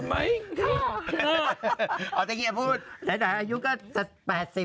แช่งอายุ๘๐แล้วก็ปลดไปเลย